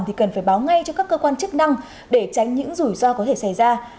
thì cần phải báo ngay cho các cơ quan chức năng để tránh những rủi ro có thể xảy ra